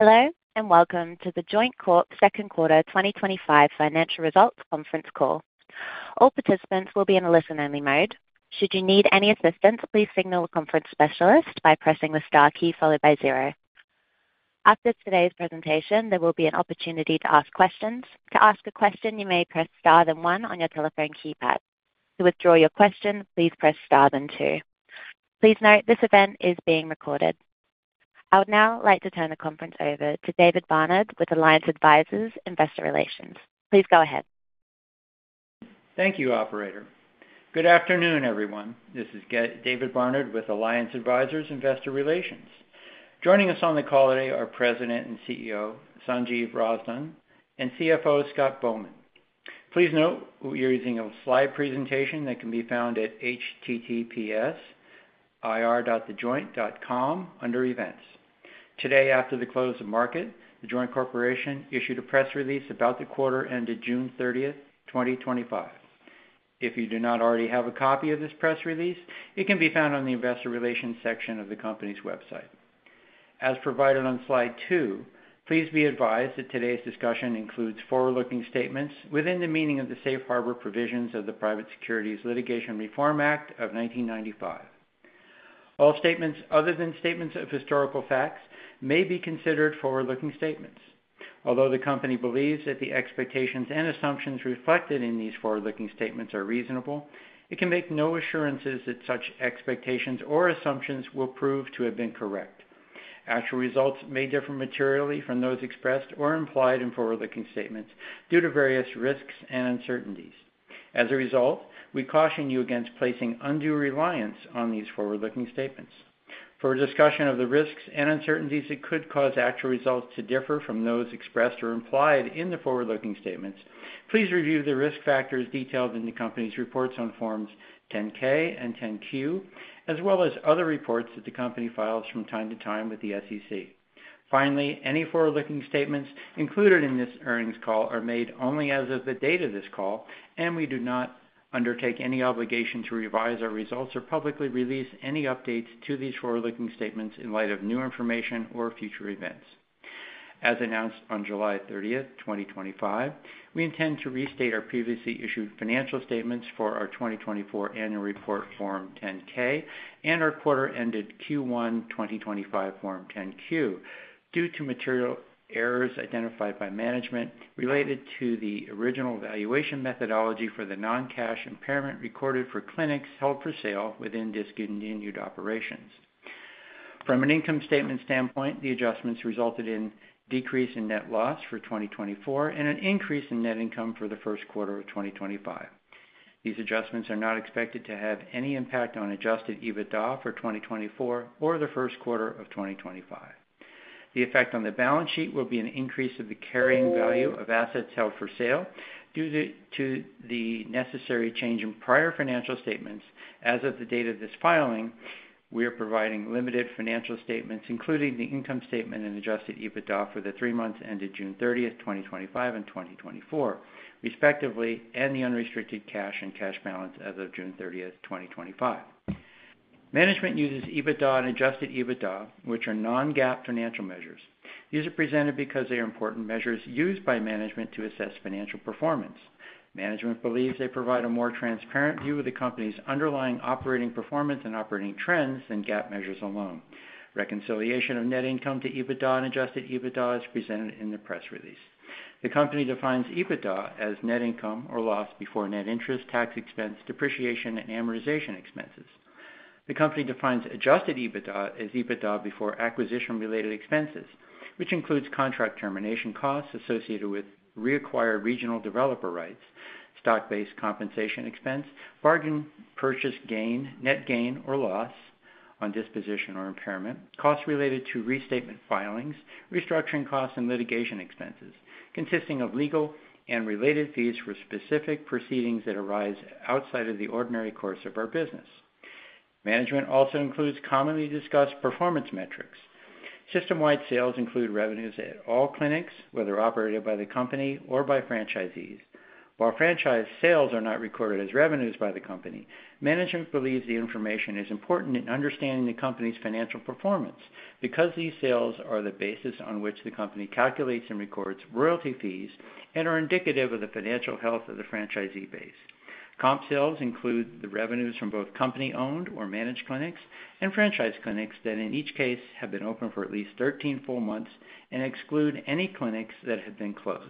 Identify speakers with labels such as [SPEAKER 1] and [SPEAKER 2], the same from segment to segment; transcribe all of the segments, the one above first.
[SPEAKER 1] Hello, and welcome to The Joint Corp. Second Quarter 2025 Financial Results Conference Call. All participants will be in a listen-only mode. Should you need any assistance, please signal a conference specialist by pressing the star key followed by zero. After today's presentation, there will be an opportunity to ask questions. To ask a question, you may press star then one on your telephone keypad. To withdraw your question, please press star then two. Please note this event is being recorded. I would now like to turn the conference over to David Barnard with Alliance Advisors Investor Relations. Please go ahead.
[SPEAKER 2] Thank you, Operator. Good afternoon, everyone. This is David Barnard with Alliance Advisors Investor Relations. Joining us on the call today are President and CEO Sanjiv Razdan and CFO Scott Bowman. Please note we are using a slide presentation that can be found at https://ir.thejoint.com under Events. Today, after the close of market, The Joint Corp. issued a press release about the quarter ended June 30, 2025. If you do not already have a copy of this press release, it can be found on the Investor Relations section of the company's website. As provided on slide two, please be advised that today's discussion includes forward-looking statements within the meaning of the safe harbor provisions of the Private Securities Litigation Reform Act of 1995. All statements other than statements of historical facts may be considered forward-looking statements. Although the company believes that the expectations and assumptions reflected in these forward-looking statements are reasonable, it can make no assurances that such expectations or assumptions will prove to have been correct. Actual results may differ materially from those expressed or implied in forward-looking statements due to various risks and uncertainties. As a result, we caution you against placing undue reliance on these forward-looking statements. For a discussion of the risks and uncertainties that could cause actual results to differ from those expressed or implied in the forward-looking statements, please review the risk factors detailed in the company's reports on Forms 10-K and 10-Q, as well as other reports that the company files from time to time with the SEC. Finally, any forward-looking statements included in this earnings call are made only as of the date of this call, and we do not undertake any obligation to revise our results or publicly release any updates to these forward-looking statements in light of new information or future events. As announced on July 30, 2025, we intend to restate our previously issued financial statements for our 2024 Annual Report Form 10-K and our quarter-ended Q1 2025 Form 10-Q due to material errors identified by management related to the original valuation methodology for the non-cash impairment recorded for clinics held for sale within discontinued operations. From an income statement standpoint, the adjustments resulted in a decrease in net loss for 2024 and an increase in net income for the first quarter of 2025. These adjustments are not expected to have any impact on adjusted EBITDA for 2024 or the first quarter of 2025. The effect on the balance sheet will be an increase of the carrying value of assets held for sale due to the necessary change in prior financial statements. As of the date of this filing, we are providing limited financial statements, including the income statement and adjusted EBITDA for the three months ended June 30, 2025 and 2024, respectively, and the unrestricted cash and cash balance as of June 30, 2025. Management uses EBITDA and adjusted EBITDA, which are non-GAAP financial measures. These are presented because they are important measures used by management to assess financial performance. Management believes they provide a more transparent view of the company's underlying operating performance and operating trends than GAAP measures alone. Reconciliation of net income to EBITDA and adjusted EBITDA is presented in the press release. The company defines EBITDA as net income or loss before net interest, tax expense, depreciation, and amortization expenses. The company defines adjusted EBITDA as EBITDA before acquisition-related expenses, which includes contract termination costs associated with reacquired regional developer rights, stock-based compensation expense, bargain purchase gain, net gain or loss on disposition or impairment, costs related to restatement filings, restructuring costs, and litigation expenses, consisting of legal and related fees for specific proceedings that arise outside of the ordinary course of our business. Management also includes commonly discussed performance metrics. System-wide sales include revenues at all clinics, whether operated by the company or by franchisees. While franchise sales are not recorded as revenues by the company, management believes the information is important in understanding the company's financial performance because these sales are the basis on which the company calculates and records royalty fees and are indicative of the financial health of the franchisee base. Comp sales include the revenues from both company-owned or managed clinics and franchise clinics that in each case have been open for at least 13 full months and exclude any clinics that have been closed.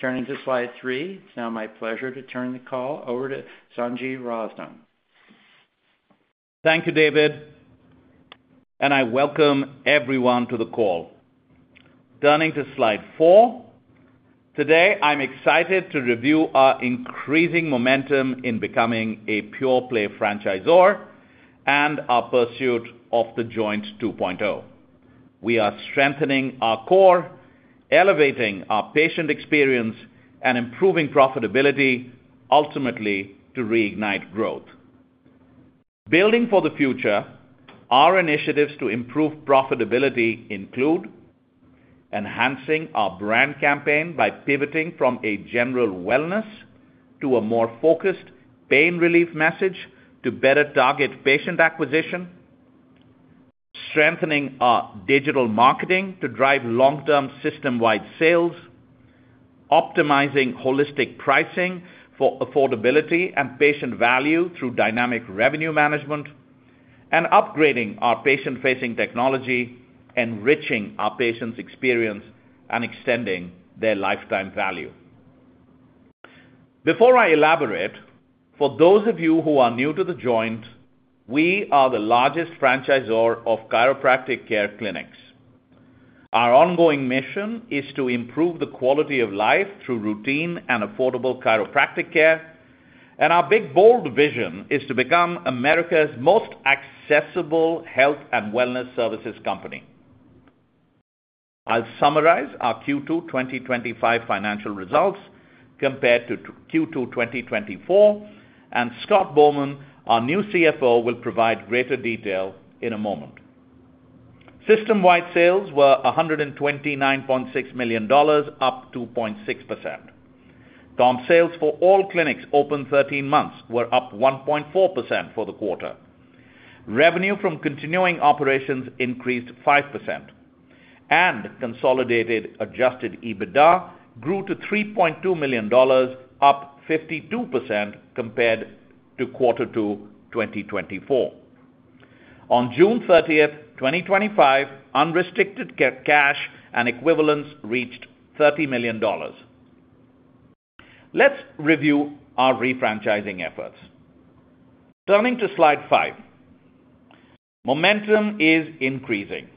[SPEAKER 2] Turning to slide three, it's now my pleasure to turn the call over to Sanjiv Razdan.
[SPEAKER 3] Thank you, David, and I welcome everyone to the call. Turning to slide four, today I'm excited to review our increasing momentum in becoming a pure-play franchisor and our pursuit of the Joint 2.0. We are strengthening our core, elevating our patient experience, and improving profitability, ultimately to reignite growth. Building for the future, our initiatives to improve profitability include enhancing our brand campaign by pivoting from a general wellness to a more focused pain relief message to better target patient acquisition, strengthening our digital marketing to drive long-term system-wide sales, optimizing holistic pricing for affordability and patient value through dynamic revenue management, and upgrading our patient-facing technology, enriching our patients' experience, and extending their lifetime value. Before I elaborate, for those of you who are new to The Joint Corp., we are the largest franchisor of chiropractic care clinics. Our ongoing mission is to improve the quality of life through routine and affordable chiropractic care, and our big, bold vision is to become America's most accessible health and wellness services company. I'll summarize our Q2 2025 financial results compared to Q2 2024, and Scott Bowman, our new CFO, will provide greater detail in a moment. System-wide sales were $129.6 million, up 2.6%. Comp sales for all clinics open 13 months were up 1.4% for the quarter. Revenue from continuing operations increased 5%, and consolidated adjusted EBITDA grew to $3.2 million, up 52% compared to Q2 2024. On June 30, 2025, unrestricted cash and equivalents reached $30 million. Let's review our refranchising efforts. Turning to slide five, momentum is increasing.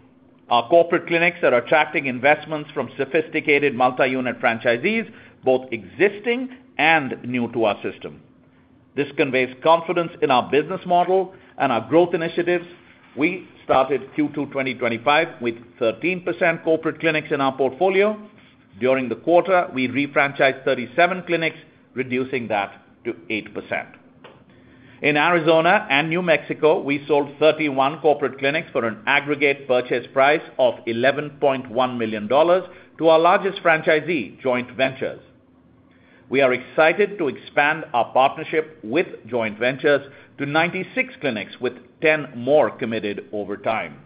[SPEAKER 3] Our corporate clinics are attracting investments from sophisticated multi-unit franchisees, both existing and new to our system. This conveys confidence in our business model and our growth initiatives. We started Q2 2025 with 13% corporate clinics in our portfolio. During the quarter, we refranchised 37 clinics, reducing that to 8%. In Arizona and New Mexico, we sold 31 corporate clinics for an aggregate purchase price of $11.1 million to our largest franchisee, Joint Ventures. We are excited to expand our partnership with Joint Ventures to 96 clinics, with 10 more committed over time.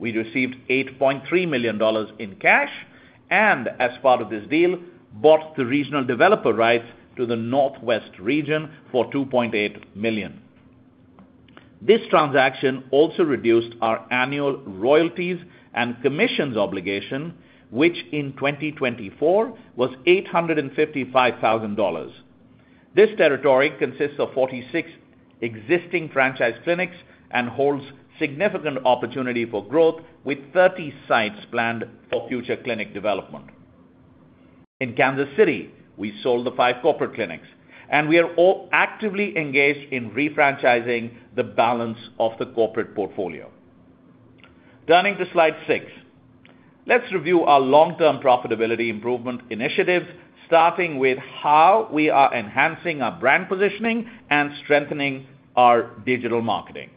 [SPEAKER 3] We received $8.3 million in cash and, as part of this deal, bought the regional developer rights to the Northwest region for $2.8 million. This transaction also reduced our annual royalties and commissions obligation, which in 2024 was $855,000. This territory consists of 46 existing franchise clinics and holds significant opportunity for growth, with 30 sites planned for future clinic development. In Kansas City, we sold the five corporate clinics, and we are actively engaged in refranchising the balance of the corporate portfolio. Turning to slide six, let's review our long-term profitability improvement initiatives, starting with how we are enhancing our brand positioning and strengthening our digital marketing.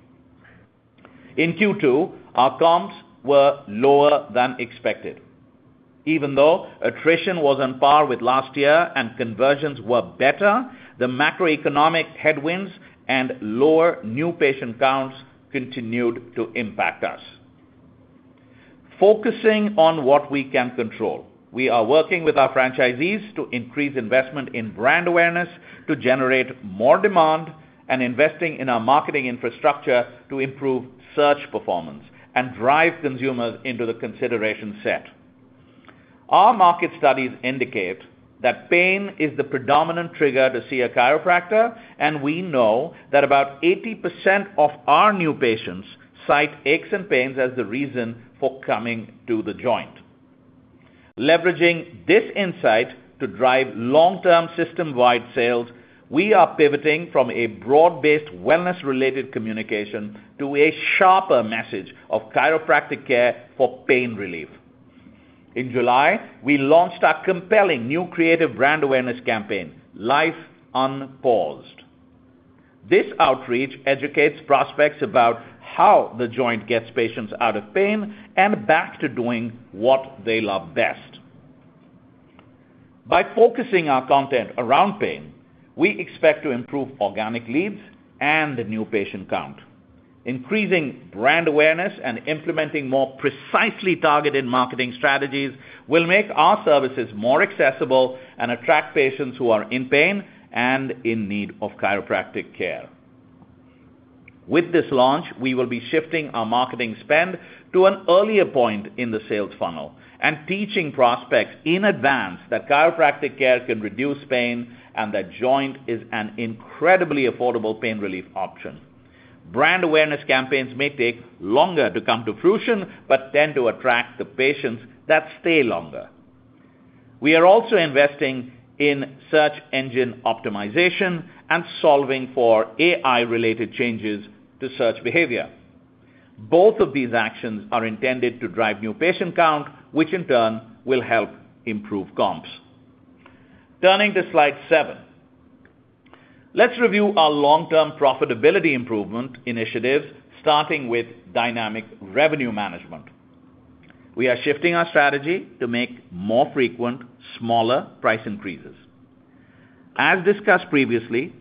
[SPEAKER 3] In Q2, our comps were lower than expected. Even though attrition was on par with last year and conversions were better, the macroeconomic headwinds and lower new patient counts continued to impact us. Focusing on what we can control, we are working with our franchisees to increase investment in brand awareness to generate more demand and investing in our marketing infrastructure to improve search performance and drive consumers into the consideration set. Our market studies indicate that pain is the predominant trigger to see a chiropractor, and we know that about 80% of our new patients cite aches and pains as the reason for coming to The Joint. Leveraging this insight to drive long-term system-wide sales, we are pivoting from a broad-based wellness-related communication to a sharper message of chiropractic care for pain relief. In July, we launched our compelling new creative brand awareness campaign, Life Unpaused. This outreach educates prospects about how The Joint gets patients out of pain and back to doing what they love best. By focusing our content around pain, we expect to improve organic leads and new patient count. Increasing brand awareness and implementing more precisely targeted marketing strategies will make our services more accessible and attract patients who are in pain and in need of chiropractic care. With this launch, we will be shifting our marketing spend to an earlier point in the sales funnel and teaching prospects in advance that chiropractic care can reduce pain and that The Joint is an incredibly affordable pain relief option. Brand awareness campaigns may take longer to come to fruition but tend to attract the patients that stay longer. We are also investing in search engine optimization and solving for AI-related changes to search behavior. Both of these actions are intended to drive new patient count, which in turn will help improve comps. Turning to slide seven, let's review our long-term profitability improvement initiatives, starting with dynamic revenue management. We are shifting our strategy to make more frequent, smaller price increases. As discussed previously,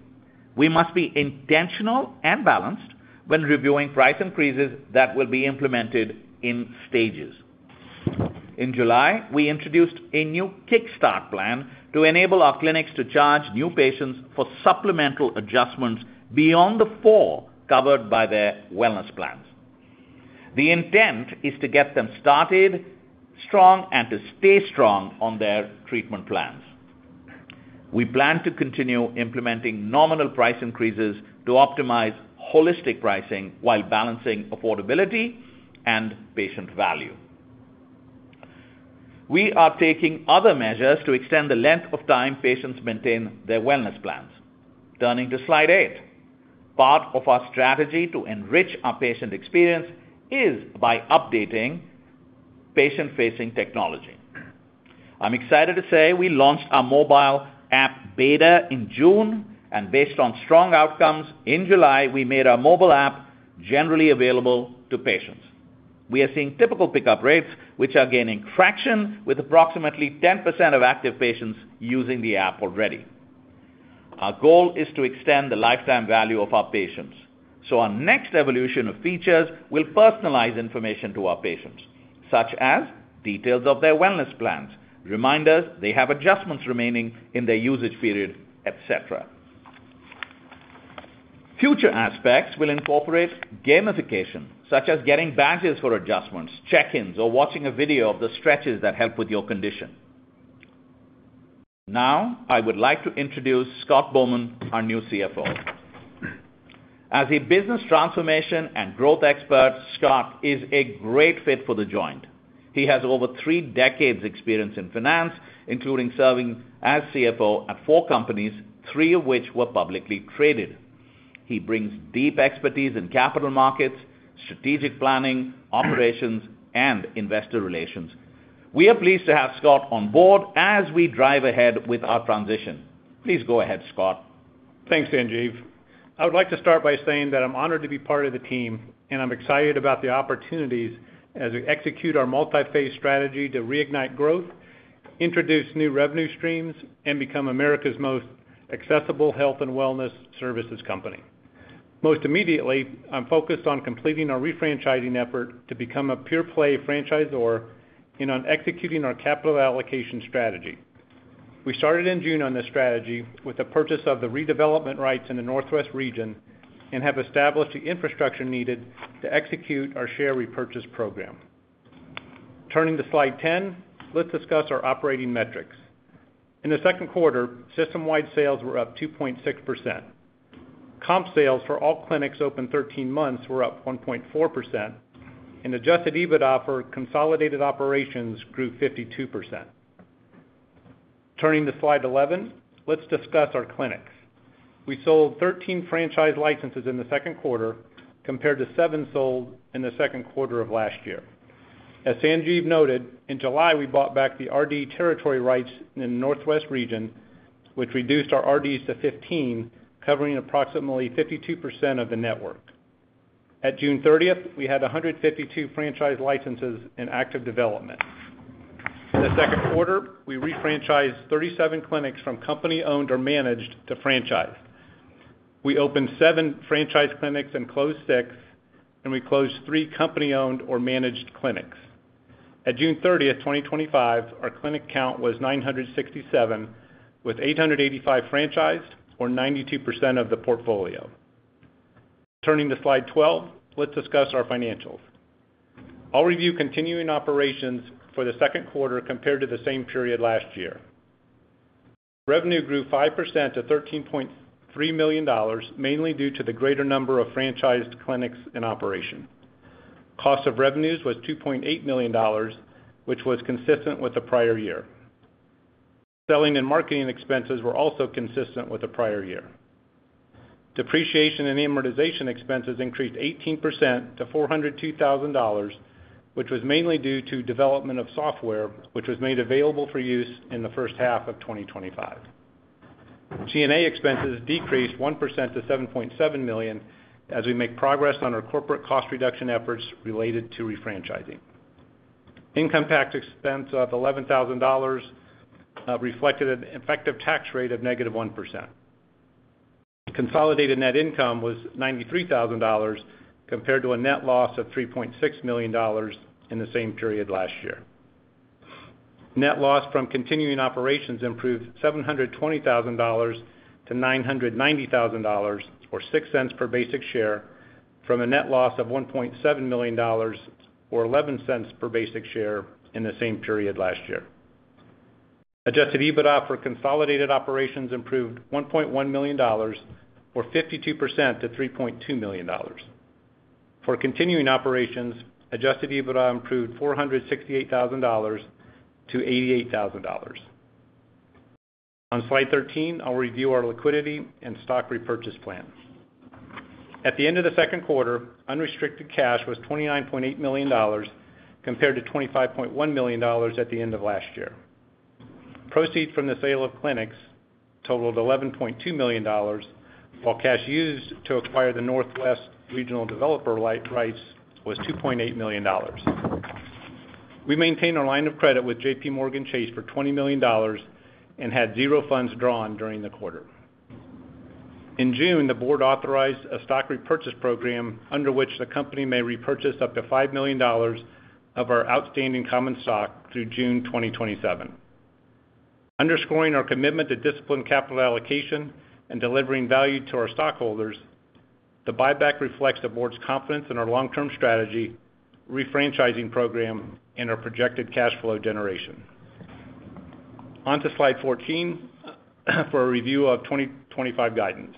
[SPEAKER 3] we must be intentional and balanced when reviewing price increases that will be implemented in stages. In July, we introduced a new Kickstart Plan to enable our clinics to charge new patients for supplemental adjustments beyond the four covered by their wellness plans. The intent is to get them started strong and to stay strong on their treatment plans. We plan to continue implementing nominal price increases to optimize holistic pricing while balancing affordability and patient value. We are taking other measures to extend the length of time patients maintain their wellness plans. Turning to slide eight, part of our strategy to enrich our patient experience is by updating patient-facing technology. I'm excited to say we launched our mobile app beta in June, and based on strong outcomes in July, we made our mobile app generally available to patients. We are seeing typical pickup rates, which are gaining traction, with approximately 10% of active patients using the app already. Our goal is to extend the lifetime value of our patients, so our next evolution of features will personalize information to our patients, such as details of their wellness plans, reminders they have adjustments remaining in their usage period, etc. Future aspects will incorporate gamification, such as getting badges for adjustments, check-ins, or watching a video of the stretches that help with your condition. Now, I would like to introduce Scott Bowman, our new CFO. As a business transformation and growth expert, Scott is a great fit for The Joint Corp. He has over three decades' experience in finance, including serving as CFO at four companies, three of which were publicly traded. He brings deep expertise in capital markets, strategic planning, operations, and investor relations. We are pleased to have Scott on board as we drive ahead with our transition. Please go ahead, Scott.
[SPEAKER 4] Thanks, Sanjiv. I would like to start by saying that I'm honored to be part of the team, and I'm excited about the opportunities as we execute our multi-phase strategy to reignite growth, introduce new revenue streams, and become America's most accessible health and wellness services company. Most immediately, I'm focused on completing our refranchising effort to become a pure-play franchisor and on executing our capital allocation strategy. We started in June on this strategy with the purchase of the redevelopment rights in the Northwest region and have established the infrastructure needed to execute our share repurchase program. Turning to slide 10, let's discuss our operating metrics. In the second quarter, system-wide sales were up 2.6%. Comp sales for all clinics open 13 months were up 1.4%, and adjusted EBITDA for consolidated operations grew 52%. Turning to slide 11, let's discuss our clinics. We sold 13 franchise licenses in the second quarter, compared to seven sold in the second quarter of last year. As Sanjiv noted, in July, we bought back the RD territory rights in the Northwest region, which reduced our RDs to 15, covering approximately 52% of the network. At June 30, we had 152 franchise licenses in active development. In the second quarter, we refranchised 37 clinics from company-owned or managed to franchised. We opened seven franchise clinics and closed six, and we closed three company-owned or managed clinics. At June 30, 2025, our clinic count was 967, with 885 franchised, or 92% of the portfolio. Turning to slide 12, let's discuss our financials. I'll review continuing operations for the second quarter compared to the same period last year. Revenue grew 5% to $13.3 million, mainly due to the greater number of franchised clinics in operation. Cost of revenues was $2.8 million, which was consistent with the prior year. Selling and marketing expenses were also consistent with the prior year. Depreciation and amortization expenses increased 18% to $402,000, which was mainly due to development of software, which was made available for use in the first half of 2025. G&A expenses decreased 1% to $7.7 million as we make progress on our corporate cost reduction efforts related to refranchising. Income tax expense of $11,000 reflected an effective tax rate of -1%. Consolidated net income was $93,000 compared to a net loss of $3.6 million in the same period last year. Net loss from continuing operations improved $720,000-$990,000, or $0.06 per basic share, from a net loss of $1.7 million, or $0.11 per basic share in the same period last year. Adjusted EBITDA for consolidated operations improved $1.1 million, or 52%, to $3.2 million. For continuing operations, adjusted EBITDA improved $468,000-$88,000. On slide 13, I'll review our liquidity and stock repurchase plan. At the end of the second quarter, unrestricted cash was $29.8 million compared to $25.1 million at the end of last year. Proceeds from the sale of clinics totaled $11.2 million, while cash used to acquire the Northwest regional developer rights was $2.8 million. We maintained our line of credit with JPMorgan Chase for $20 million and had zero funds drawn during the quarter. In June, the board authorized a stock repurchase program under which the company may repurchase up to $5 million of our outstanding common stock through June 2027. Underscoring our commitment to disciplined capital allocation and delivering value to our stockholders, the buyback reflects the board's confidence in our long-term strategy, refranchising program, and our projected cash flow generation. On to slide 14 for a review of 2025 guidance.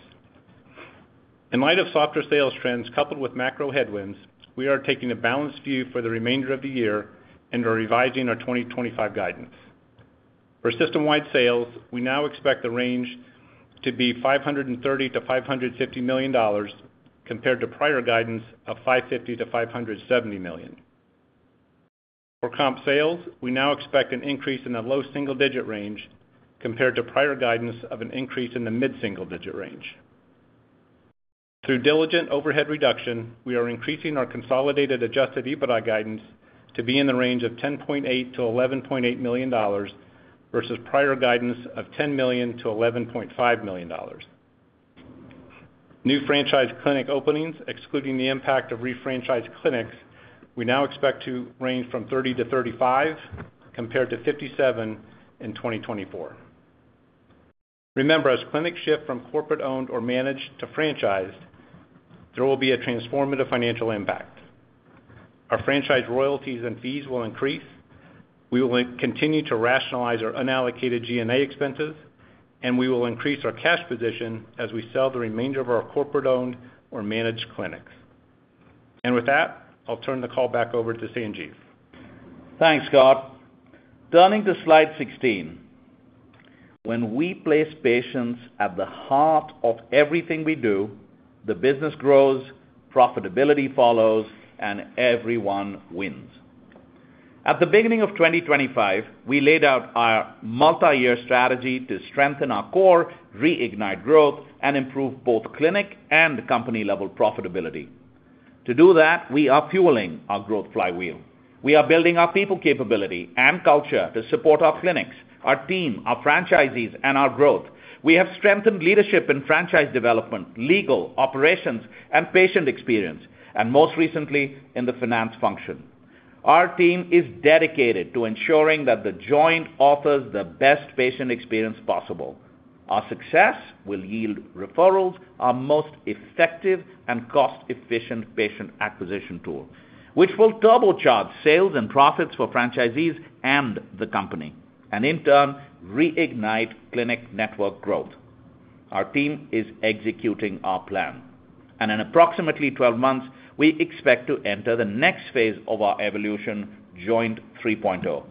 [SPEAKER 4] In light of softer sales trends coupled with macro headwinds, we are taking a balanced view for the remainder of the year and are revising our 2025 guidance. For system-wide sales, we now expect the range to be $530 million-$550 million compared to prior guidance of $550 million-$570 million. For comp sales, we now expect an increase in the low single-digit range compared to prior guidance of an increase in the mid-single-digit range. Through diligent overhead reduction, we are increasing our consolidated adjusted EBITDA guidance to be in the range of $10.8 million-$11.8 million versus prior guidance of $10 million-$11.5 million. New franchise clinic openings, excluding the impact of refranchised clinics, we now expect to range from 30-35 compared to 57 in 2024. Remember, as clinics shift from corporate-owned or managed to franchised, there will be a transformative financial impact. Our franchise royalties and fees will increase. We will continue to rationalize our unallocated G&A expenses, and we will increase our cash position as we sell the remainder of our corporate-owned or managed clinics. With that, I'll turn the call back over to Sanjiv.
[SPEAKER 3] Thanks, Scott. Turning to slide 16. When we place patients at the heart of everything we do, the business grows, profitability follows, and everyone wins. At the beginning of 2025, we laid out our multi-year strategy to strengthen our core, reignite growth, and improve both clinic and company-level profitability. To do that, we are fueling our growth flywheel. We are building our people capability and culture to support our clinics, our team, our franchisees, and our growth. We have strengthened leadership in franchise development, legal, operations, and patient experience, and most recently, in the finance function. Our team is dedicated to ensuring that The Joint Corp. offers the best patient experience possible. Our success will yield referrals, our most effective and cost-efficient patient acquisition tool, which will turbocharge sales and profits for franchisees and the company, and in turn, reignite clinic network growth. Our team is executing our plan, and in approximately 12 months, we expect to enter the next phase of our evolution, Joint 3.0,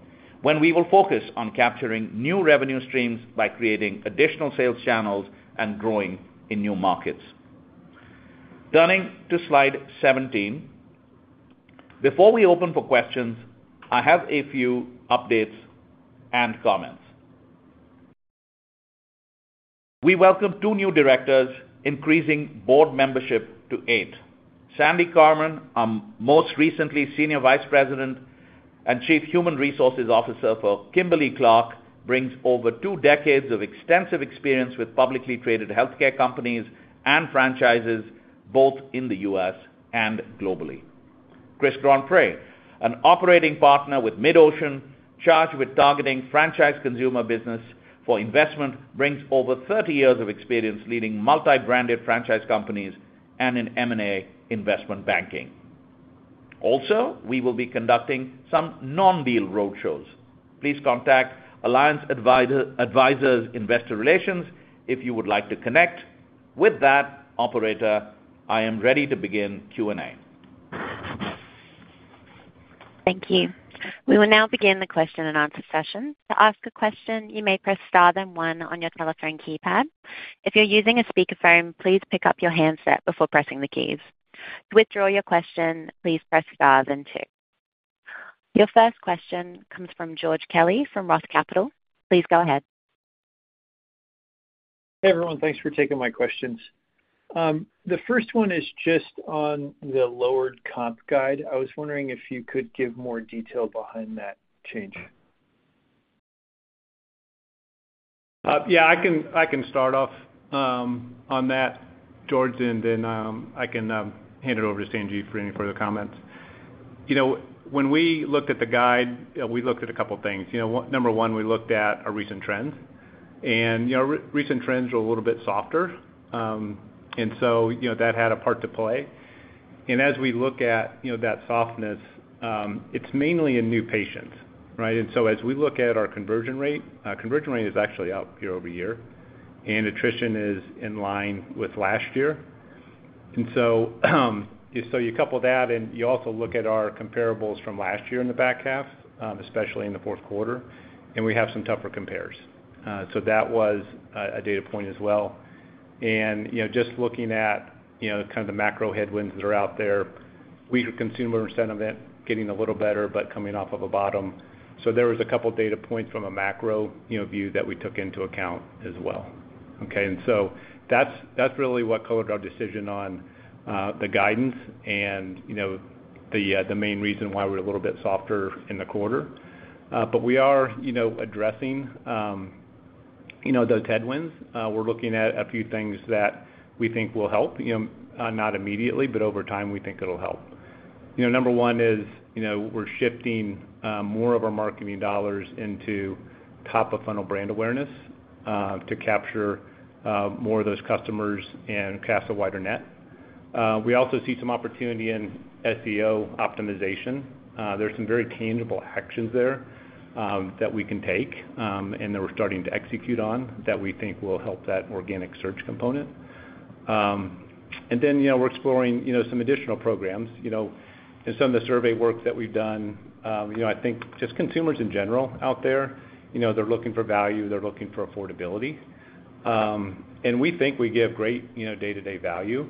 [SPEAKER 3] when we will focus on capturing new revenue streams by creating additional sales channels and growing in new markets. Turning to slide 17, before we open for questions, I have a few updates and comments. We welcome two new directors, increasing board membership to eight. Sandy Carman, our most recently Senior Vice President and Chief Human Resources Officer for Kimberly-Clark, brings over two decades of extensive experience with publicly traded healthcare companies and franchises, both in the U.S. and globally. Chris Grandpre, an operating partner with MidOcean, charged with targeting franchise consumer business for investment, brings over 30 years of experience leading multi-branded franchise companies and in M&A investment banking. Also, we will be conducting some non-deal roadshows. Please contact Alliance Advisors Investor Relations if you would like to connect. With that, Operator, I am ready to begin Q&A.
[SPEAKER 1] Thank you. We will now begin the question and answer session. To ask a question, you may press star then one on your telephone keypad. If you're using a speakerphone, please pick up your handset before pressing the keys. To withdraw your question, please press star then two. Your first question comes from George Kelly from ROTH Capital Partners. Please go ahead.
[SPEAKER 5] Hey, everyone. Thanks for taking my questions. The first one is just on the lowered comp guide. I was wondering if you could give more detail behind that change.
[SPEAKER 4] Yeah, I can start off on that, George, and then I can hand it over to Sanjiv for any further comments. When we looked at the guide, we looked at a couple of things. Number one, we looked at our recent trends, and recent trends were a little bit softer. That had a part to play. As we look at that softness, it's mainly in new patients, right? As we look at our conversion rate, our conversion rate is actually up year over year, and attrition is in line with last year. You couple that, and you also look at our comparables from last year in the back half, especially in the fourth quarter, and we have some tougher compares. That was a data point as well. Just looking at the macro headwinds that are out there, we heard consumer sentiment getting a little better, but coming off of a bottom. There were a couple of data points from a macro view that we took into account as well. That's really what colored our decision on the guidance and the main reason why we're a little bit softer in the quarter. We are addressing those headwinds. We're looking at a few things that we think will help, not immediately, but over time, we think it'll help. Number one is, we're shifting more of our marketing dollars into top-of-funnel brand awareness to capture more of those customers and cast a wider net. We also see some opportunity in search engine optimization. There are some very tangible actions there that we can take and that we're starting to execute on that we think will help that organic search component. We're exploring some additional programs in some of the survey work that we've done. I think just consumers in general out there, they're looking for value, they're looking for affordability. We think we give great day-to-day value,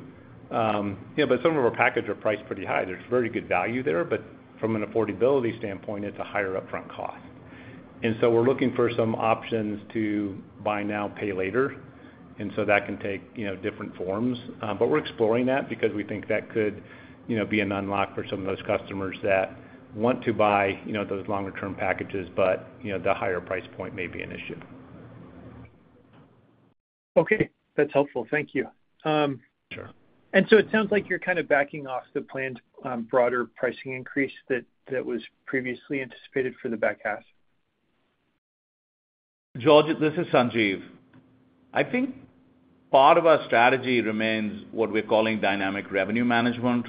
[SPEAKER 4] but some of our packages are priced pretty high. There's very good value there, but from an affordability standpoint, it's a higher upfront cost. We're looking for some options to buy now, pay later. That can take different forms. We're exploring that because we think that could be an unlock for some of those customers that want to buy those longer-term packages, but the higher price point may be an issue.
[SPEAKER 5] Okay, that's helpful. Thank you.
[SPEAKER 4] Sure.
[SPEAKER 5] It sounds like you're kind of backing off the planned broader pricing increase that was previously anticipated for the back half.
[SPEAKER 3] George, this is Sanjiv. I think part of our strategy remains what we're calling dynamic revenue management.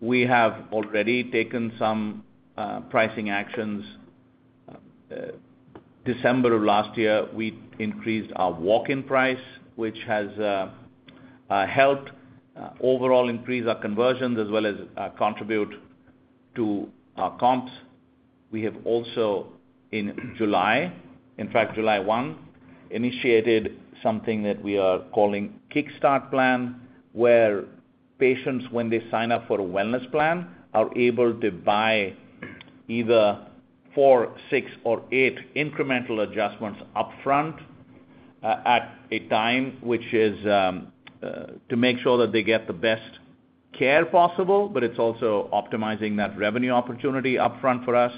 [SPEAKER 3] We have already taken some pricing actions. In December of last year, we increased our walk-in price, which has helped overall increase our conversions as well as contribute to our comps. In fact, on July 1, we initiated something that we are calling Kickstart Plan, where patients, when they sign up for a wellness plan, are able to buy either four, six, or eight incremental adjustments upfront at a time, which is to make sure that they get the best care possible, but it's also optimizing that revenue opportunity upfront for us.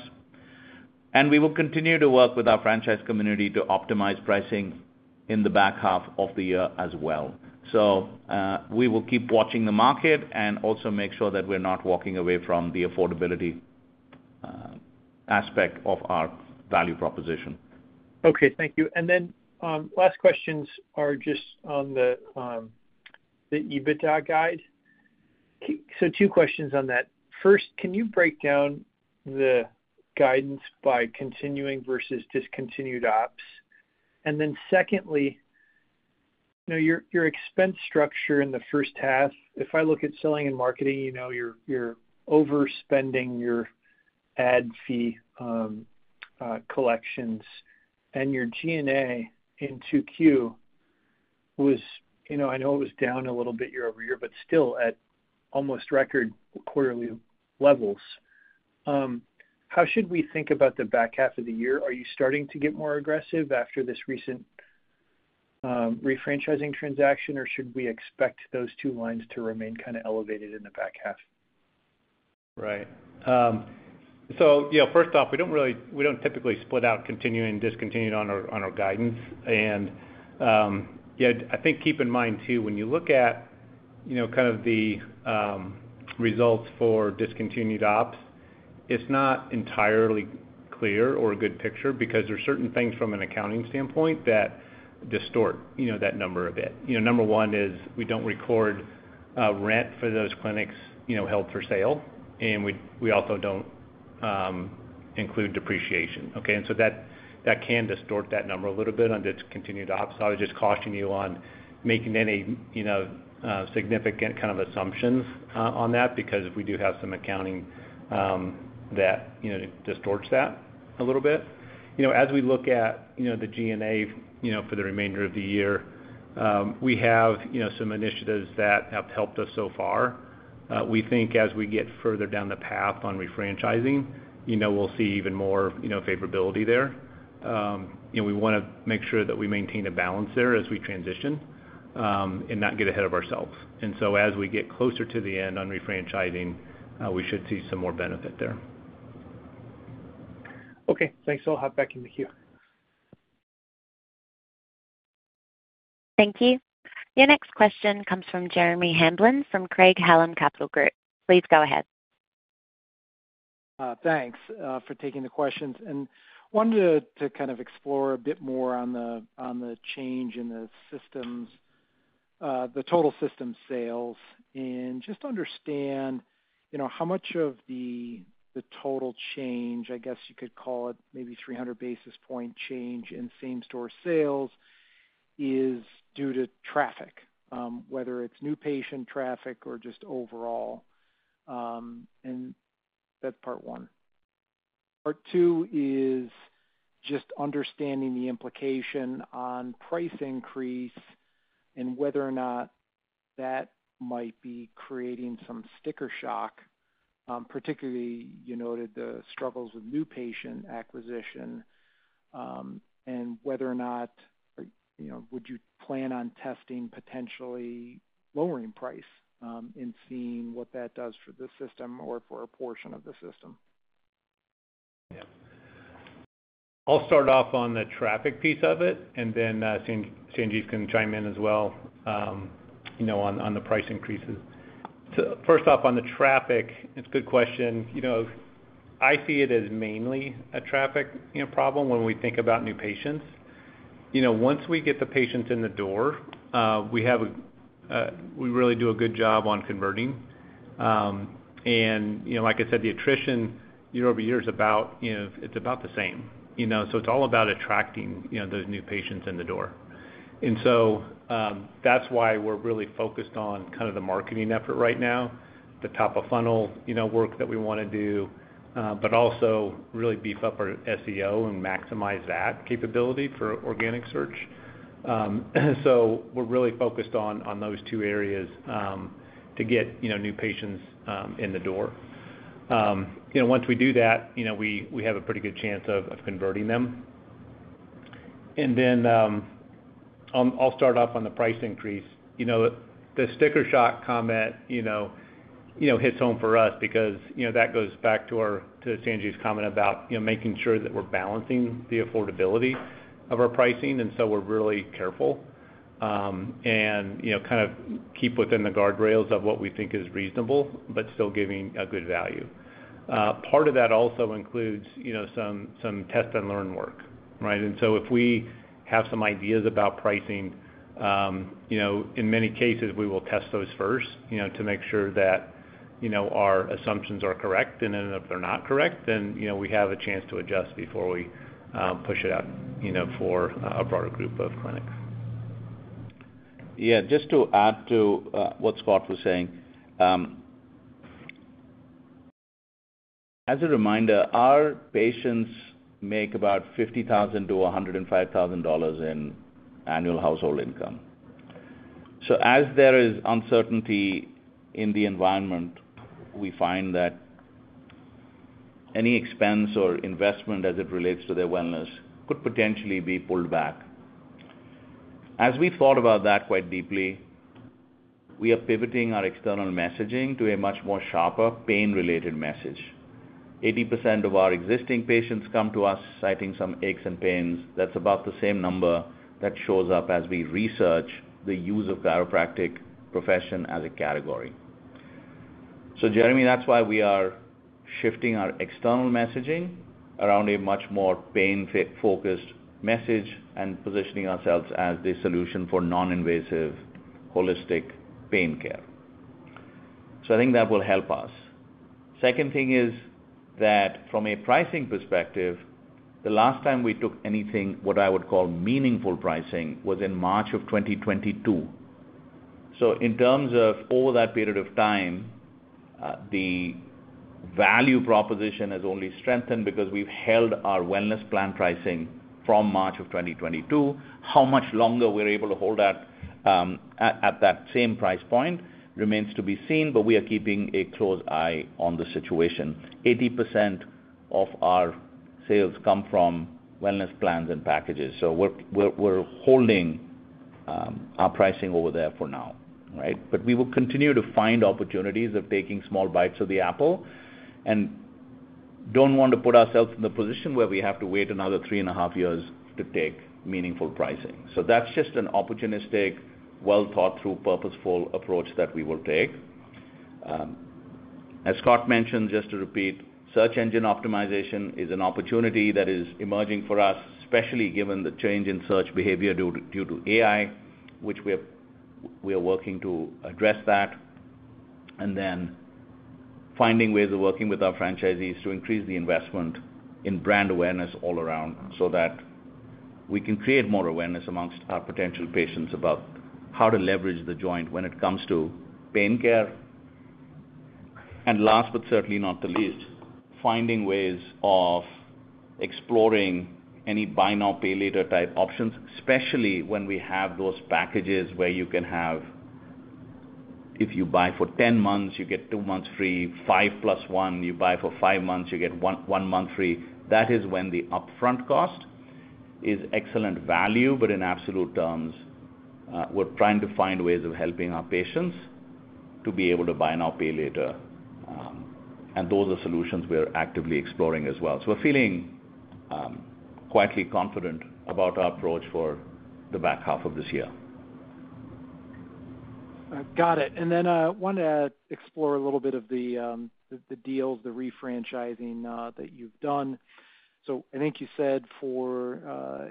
[SPEAKER 3] We will continue to work with our franchise community to optimize pricing in the back half of the year as well. We will keep watching the market and also make sure that we're not walking away from the affordability aspect of our value proposition.
[SPEAKER 5] Okay. Thank you. Last questions are just on the EBITDA guide. Two questions on that. First, can you break down the guidance by continuing versus discontinued ops? Secondly, your expense structure in the first half, if I look at selling and marketing, you're overspending your ad fee collections, and your G&A in 2Q was, I know it was down a little bit year over year, but still at almost record quarterly levels. How should we think about the back half of the year? Are you starting to get more aggressive after this recent refranchising transaction, or should we expect those two lines to remain kind of elevated in the back half?
[SPEAKER 4] Right. First off, we don't really, we don't typically split out continuing and discontinued on our guidance. I think keep in mind, too, when you look at the results for discontinued ops, it's not entirely clear or a good picture because there are certain things from an accounting standpoint that distort that number a bit. Number one is we don't record rent for those clinics held for sale, and we also don't include depreciation. That can distort that number a little bit on discontinued ops. I was just cautioning you on making any significant kind of assumptions on that because we do have some accounting that distorts that a little bit. As we look at the G&A for the remainder of the year, we have some initiatives that have helped us so far. We think as we get further down the path on refranchising, we'll see even more favorability there. We want to make sure that we maintain a balance there as we transition and not get ahead of ourselves. As we get closer to the end on refranchising, we should see some more benefit there.
[SPEAKER 5] Okay, thanks. I'll hop back in here.
[SPEAKER 1] Thank you. Your next question comes from Jeremy Hamblin from Craig-Hallum Capital Group. Please go ahead.
[SPEAKER 6] Thanks for taking the questions. I wanted to kind of explore a bit more on the change in the systems, the total system sales, and just understand how much of the total change, I guess you could call it maybe 300 basis point change in same-store sales, is due to traffic, whether it's new patient traffic or just overall. That's part one. Part two is just understanding the implication on price increase and whether or not that might be creating some sticker shock, particularly, you noted the struggles with new patient acquisition, and whether or not you would plan on testing potentially lowering price and seeing what that does for the system or for a portion of the system.
[SPEAKER 4] Yeah. I'll start off on the traffic piece of it, and then Sanjiv can chime in as well on the price increases. First off, on the traffic, it's a good question. I see it as mainly a traffic problem when we think about new patients. Once we get the patients in the door, we really do a good job on converting. Like I said, the attrition year over year is about the same. It's all about attracting those new patients in the door. That's why we're really focused on the marketing effort right now, the top-of-funnel work that we want to do, but also really beef up our search engine optimization and maximize that capability for organic search. We're really focused on those two areas to get new patients in the door. Once we do that, we have a pretty good chance of converting them. I'll start off on the price increase. The sticker shock comment hits home for us because that goes back to Sanjiv's comment about making sure that we're balancing the affordability of our pricing. We're really careful and kind of keep within the guardrails of what we think is reasonable, but still giving a good value. Part of that also includes some test and learn work, right? If we have some ideas about pricing, in many cases, we will test those first to make sure that our assumptions are correct. If they're not correct, then we have a chance to adjust before we push it out for a broader group of clinics.
[SPEAKER 3] Yeah. Just to add to what Scott was saying, as a reminder, our patients make about $50,000-$105,000 in annual household income. As there is uncertainty in the environment, we find that any expense or investment as it relates to their wellness could potentially be pulled back. As we thought about that quite deeply, we are pivoting our external messaging to a much more sharper pain-related message. 80% of our existing patients come to us citing some aches and pains. That's about the same number that shows up as we research the use of the chiropractic profession as a category. Jeremy, that's why we are shifting our external messaging around a much more pain-focused message and positioning ourselves as the solution for non-invasive, holistic pain care. I think that will help us. The second thing is that from a pricing perspective, the last time we took anything, what I would call meaningful pricing, was in March of 2022. In terms of over that period of time, the value proposition has only strengthened because we've held our wellness plan pricing from March of 2022. How much longer we're able to hold that at that same price point remains to be seen, but we are keeping a close eye on the situation. 80% of our sales come from wellness plans and packages. We're holding our pricing over there for now, right? We will continue to find opportunities of taking small bites of the apple and don't want to put ourselves in the position where we have to wait another three and a half years to take meaningful pricing. That's just an opportunistic, well-thought-through, purposeful approach that we will take. As Scott mentioned, just to repeat, search engine optimization is an opportunity that is emerging for us, especially given the change in search behavior due to AI, which we are working to address. Finding ways of working with our franchisees to increase the investment in brand awareness all around so that we can create more awareness amongst our potential patients about how to leverage The Joint when it comes to pain care. Last but certainly not the least, finding ways of exploring any buy-now-pay-later type options, especially when we have those packages where you can have, if you buy for 10 months, you get two months free. Five plus one, you buy for five months, you get one month free. That is when the upfront cost is excellent value, but in absolute terms, we're trying to find ways of helping our patients to be able to buy now, pay later. Those are solutions we're actively exploring as well. We're feeling quietly confident about our approach for the back half of this year.
[SPEAKER 6] Got it. I want to explore a little bit of the deal, the refranchising that you've done. I think you said for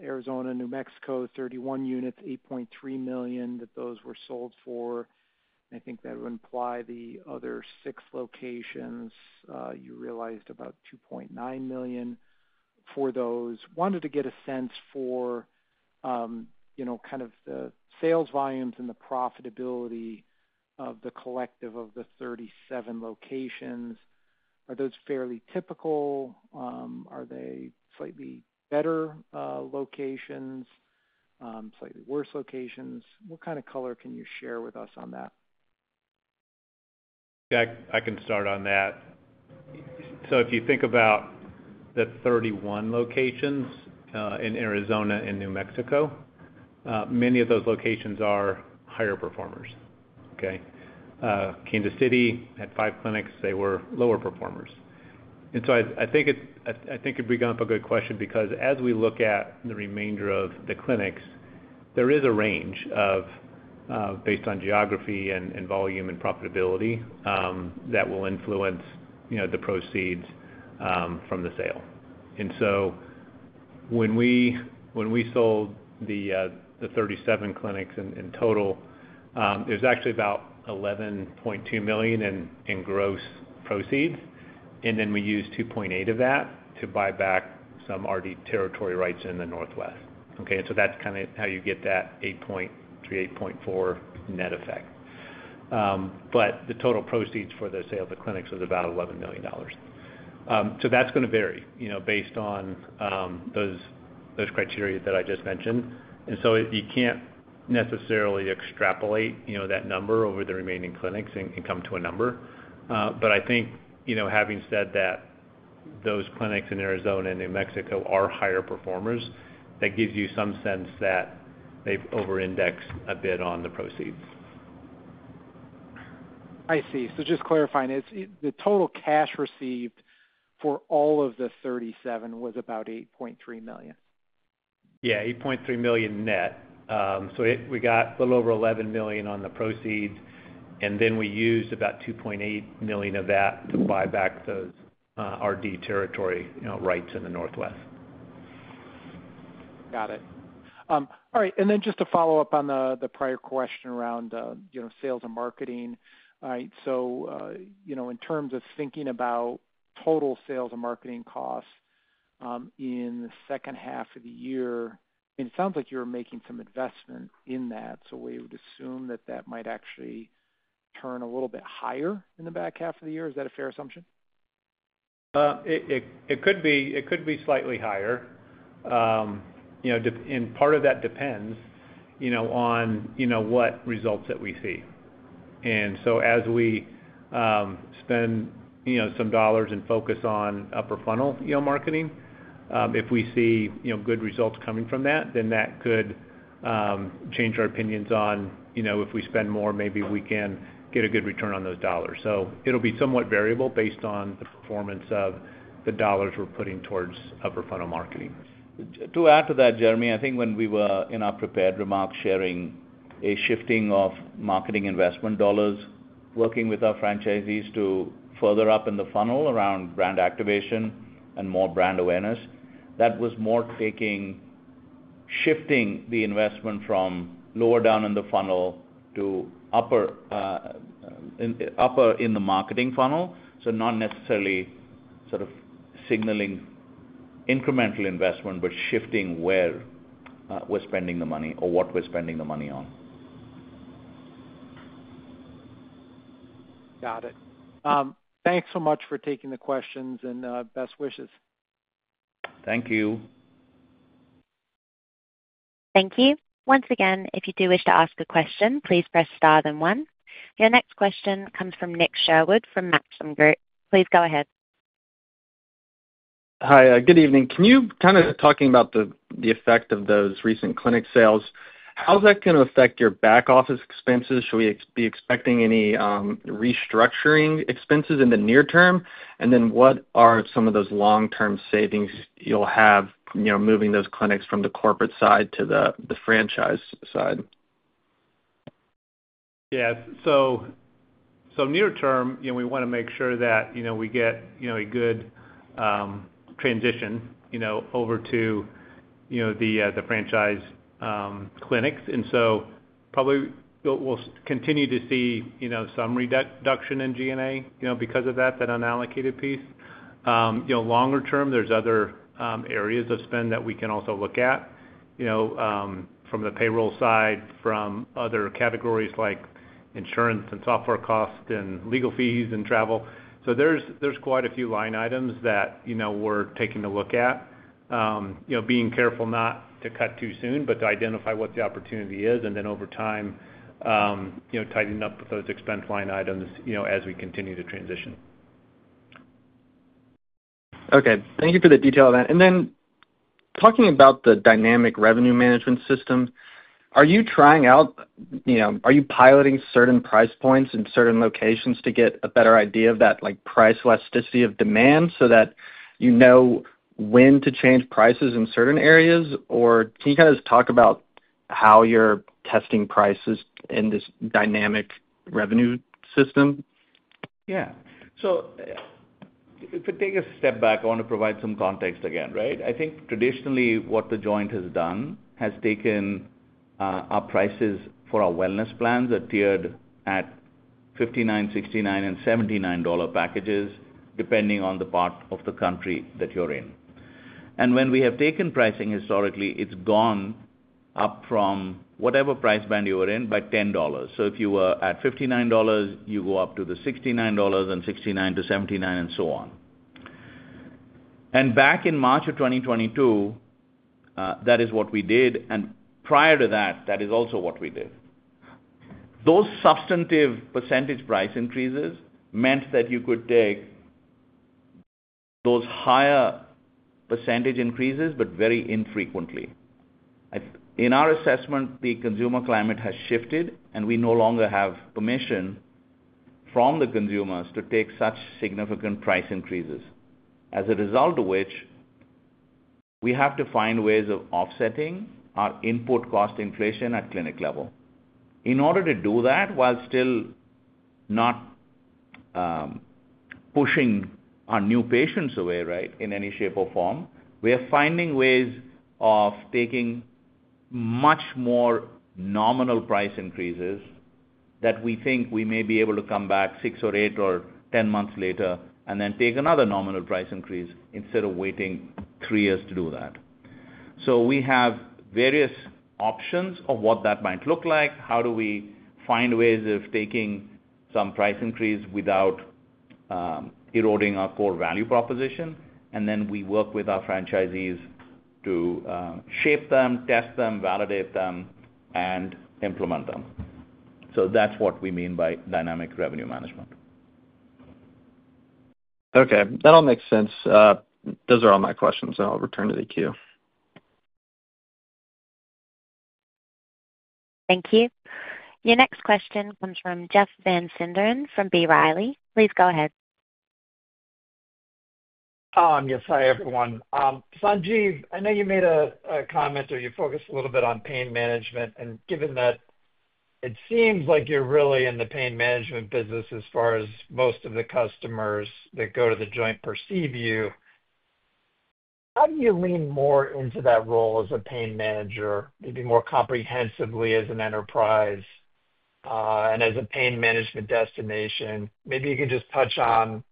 [SPEAKER 6] Arizona, New Mexico, 31 units, $8.3 million that those were sold for. I think that would imply the other six locations, you realized about $2.9 million for those. I wanted to get a sense for, you know, kind of the sales volumes and the profitability of the collective of the 37 locations. Are those fairly typical? Are they slightly better locations, slightly worse locations? What kind of color can you share with us on that?
[SPEAKER 4] Yeah, I can start on that. If you think about the 31 locations in Arizona and New Mexico, many of those locations are higher performers. Kansas City had five clinics, they were lower performers. I think it brings up a good question because as we look at the remainder of the clinics, there is a range based on geography and volume and profitability that will influence the proceeds from the sale. When we sold the 37 clinics in total, there was actually about $11.2 million in gross proceeds. We used $2.8 million of that to buy back some regional developer territory rights in the Northwest. That is how you get that $8.3-$8.4 million net effect. The total proceeds for the sale of the clinics was about $11 million. That is going to vary based on those criteria that I just mentioned. You cannot necessarily extrapolate that number over the remaining clinics and come to a number. Having said that, those clinics in Arizona and New Mexico are higher performers, that gives you some sense that they've over-indexed a bit on the proceeds.
[SPEAKER 6] I see. Just clarifying, the total cash received for all of the 37 was about $8.3 million.
[SPEAKER 4] Yeah, $8.3 million net. We got a little over $11 million on the proceeds, and we used about $2.8 million of that to buy back those regional developer territory rights in the Northwest.
[SPEAKER 6] Got it. All right. Just to follow up on the prior question around sales and marketing, in terms of thinking about total sales and marketing costs in the second half of the year, it sounds like you're making some investment in that. We would assume that that might actually turn a little bit higher in the back half of the year. Is that a fair assumption?
[SPEAKER 4] It could be slightly higher. Part of that depends on what results that we see. As we spend some dollars and focus on upper funnel marketing, if we see good results coming from that, then that could change our opinions on if we spend more, maybe we can get a good return on those dollars. It will be somewhat variable based on the performance of the dollars we're putting towards upper funnel marketing.
[SPEAKER 3] To add to that, Jeremy, I think when we were in our prepared remarks sharing a shifting of marketing investment dollars working with our franchisees to further up in the funnel around brand activation and more brand awareness, that was more taking shifting the investment from lower down in the funnel to upper in the marketing funnel. It was not necessarily sort of signaling incremental investment, but shifting where we're spending the money or what we're spending the money on.
[SPEAKER 6] Got it. Thanks so much for taking the questions and best wishes.
[SPEAKER 4] Thank you.
[SPEAKER 1] Thank you. Once again, if you do wish to ask a question, please press star then one. Your next question comes from Nick Sherwood from Maxim Group. Please go ahead.
[SPEAKER 7] Hi. Good evening. Can you kind of talk about the effect of those recent clinic sales? How is that going to affect your back office expenses? Should we be expecting any restructuring expenses in the near term? What are some of those long-term savings you'll have, you know, moving those clinics from the corporate side to the franchise side?
[SPEAKER 4] Yeah, near term, we want to make sure that we get a good transition over to the franchise clinics. We will probably continue to see some reduction in G&A because of that unallocated piece. Longer term, there's other areas of spend that we can also look at from the payroll side, from other categories like insurance and software costs and legal fees and travel. There's quite a few line items that we're taking a look at, being careful not to cut too soon, but to identify what the opportunity is and then over time tighten up with those expense line items as we continue to transition.
[SPEAKER 7] Thank you for the detail of that. Talking about the dynamic revenue management system, are you trying out, you know, are you piloting certain price points in certain locations to get a better idea of that, like, price elasticity of demand so that you know when to change prices in certain areas? Can you kind of just talk about how you're testing prices in this dynamic revenue system?
[SPEAKER 3] Yeah. If we take a step back, I want to provide some context again, right? I think traditionally what The Joint Corp. has done is taken our prices for our wellness plans, which are tiered at $59, $69, and $79 packages, depending on the part of the country that you're in. When we have taken pricing historically, it's gone up from whatever price band you were in by $10. If you were at $59, you go up to $69, and $69 to $79, and so on. Back in March of 2022, that is what we did. Prior to that, that is also what we did. Those substantive % price increases meant that you could take those higher % increases, but very infrequently. In our assessment, the consumer climate has shifted, and we no longer have permission from the consumers to take such significant price increases, as a result of which we have to find ways of offsetting our input cost inflation at clinic level. In order to do that, while still not pushing our new patients away, right, in any shape or form, we are finding ways of taking much more nominal price increases that we think we may be able to come back six or eight or ten months later and then take another nominal price increase instead of waiting three years to do that. We have various options of what that might look like. How do we find ways of taking some price increase without eroding our core value proposition? We work with our franchisees to shape them, test them, validate them, and implement them. That's what we mean by dynamic revenue management.
[SPEAKER 7] Okay. That all makes sense. Those are all my questions, and I'll return to the queue.
[SPEAKER 1] Thank you. Your next question comes from Jeff Van Sinderen from B. Riley. Please go ahead.
[SPEAKER 8] Yes. Hi, everyone. Sanjiv, I know you made a comment or you focused a little bit on pain management. Given that it seems like you're really in the pain management business as far as most of the customers that go to The Joint perceive you, how do you lean more into that role as a pain manager, maybe more comprehensively as an enterprise and as a pain management destination? Maybe you can just touch on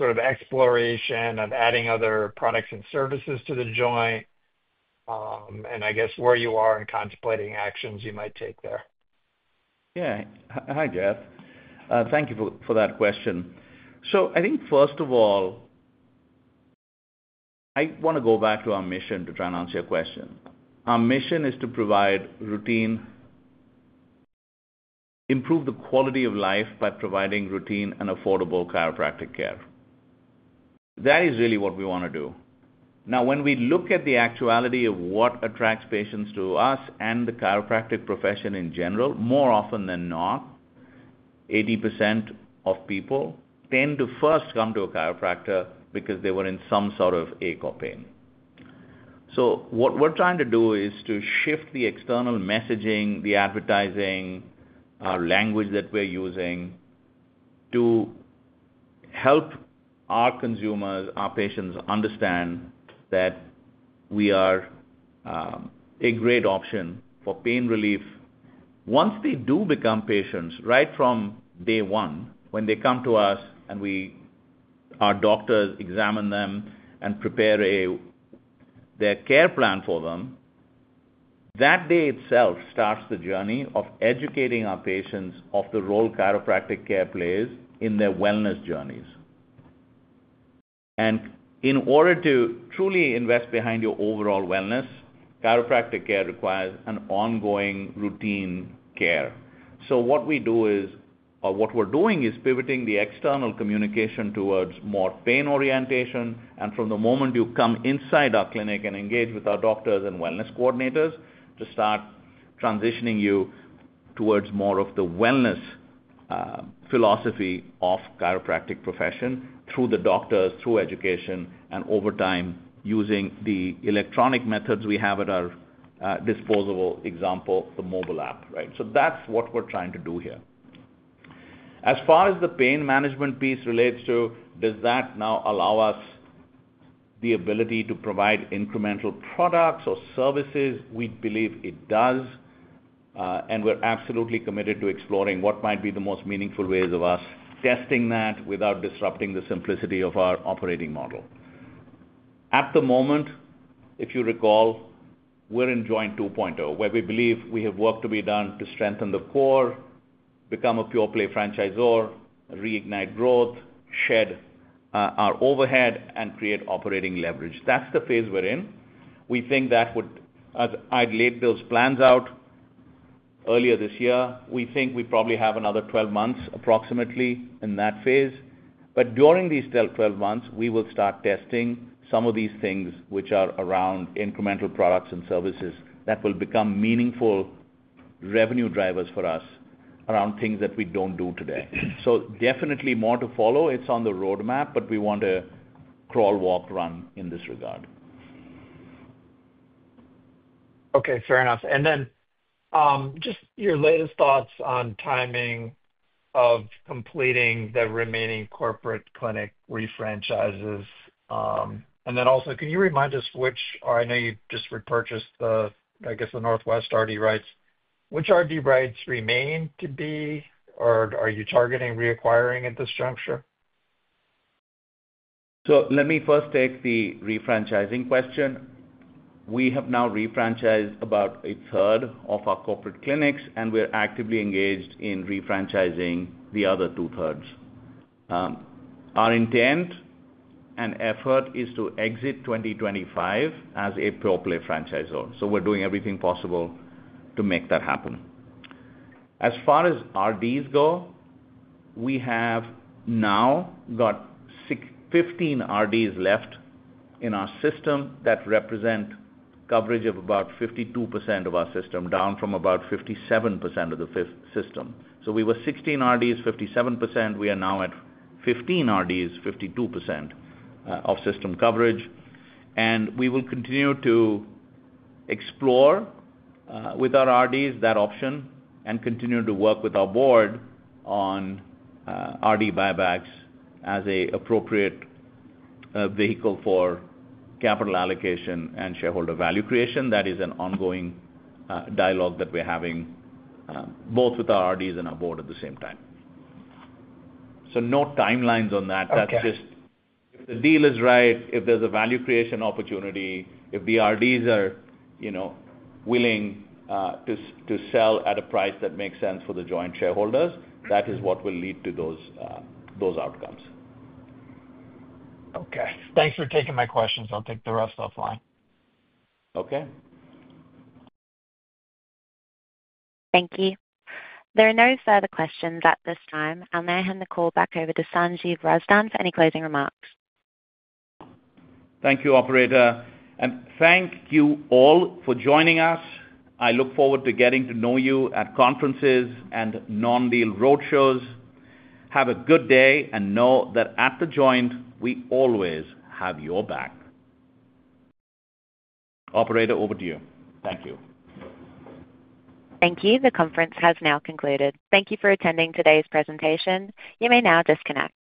[SPEAKER 8] sort of exploration of adding other products and services to The Joint, and I guess where you are in contemplating actions you might take there.
[SPEAKER 3] Yeah. Hi, Jeff. Thank you for that question. I think first of all, I want to go back to our mission to try and answer your question. Our mission is to improve the quality of life by providing routine and affordable chiropractic care. That is really what we want to do. Now, when we look at the actuality of what attracts patients to us and the chiropractic profession in general, more often than not, 80% of people tend to first come to a chiropractor because they were in some sort of ache or pain. What we're trying to do is to shift the external messaging, the advertising, our language that we're using to help our consumers, our patients understand that we are a great option for pain relief. Once they do become patients right from day one, when they come to us and our doctors examine them and prepare their care plan for them, that day itself starts the journey of educating our patients of the role chiropractic care plays in their wellness journeys. In order to truly invest behind your overall wellness, chiropractic care requires ongoing routine care. What we are doing is pivoting the external communication towards more pain orientation. From the moment you come inside our clinic and engage with our doctors and wellness coordinators, we start transitioning you towards more of the wellness philosophy of the chiropractic profession through the doctors, through education, and over time using the electronic methods we have at our disposal, for example, the mobile app, right? That's what we're trying to do here. As far as the pain management piece relates to, does that now allow us the ability to provide incremental products or services? We believe it does, and we're absolutely committed to exploring what might be the most meaningful ways of us testing that without disrupting the simplicity of our operating model. At the moment, if you recall, we're in Joint 2.0, where we believe we have work to be done to strengthen the core, become a pure-play franchisor, reignite growth, shed our overhead, and create operating leverage. That's the phase we're in. As I laid those plans out earlier this year, we think we probably have another 12 months approximately in that phase. During these 12 months, we will start testing some of these things which are around incremental products and services that will become meaningful revenue drivers for us around things that we don't do today. Definitely more to follow. It's on the roadmap, but we want to crawl, walk, run in this regard.
[SPEAKER 8] Okay. Fair enough. Just your latest thoughts on timing of completing the remaining corporate clinic refranchises. Also, can you remind us which, or I know you just repurchased the, I guess, the Northwest regional developer rights. Which regional developer rights remain to be, or are you targeting reacquiring at this juncture?
[SPEAKER 3] Let me first take the refranchising question. We have now refranchised about a third of our corporate clinics, and we're actively engaged in refranchising the other two-thirds. Our intent and effort is to exit 2025 as a pure-play franchisor. We're doing everything possible to make that happen. As far as RDs go, we have now got 15 RDs left in our system that represent coverage of about 52% of our system, down from about 57% of the system. We were 16 RDs, 57%. We are now at 15 RDs, 52% of system coverage. We will continue to explore with our RDs that option and continue to work with our board on RD buybacks as an appropriate vehicle for capital allocation and shareholder value creation. That is an ongoing dialogue that we're having both with our RDs and our board at the same time. No timelines on that. If the deal is right, if there's a value creation opportunity, if the RDs are willing to sell at a price that makes sense for The Joint Corp. shareholders, that is what will lead to those outcomes.
[SPEAKER 8] Okay. Thanks for taking my questions. I'll take the rest offline.
[SPEAKER 3] Okay.
[SPEAKER 1] Thank you. There are no further questions at this time. I'll now hand the call back over to Sanjiv Razdan for any closing remarks.
[SPEAKER 3] Thank you, Operator. Thank you all for joining us. I look forward to getting to know you at conferences and non-deal roadshows. Have a good day and know that at The Joint, we always have your back. Operator, over to you. Thank you.
[SPEAKER 1] Thank you. The conference has now concluded. Thank you for attending today's presentation. You may now disconnect.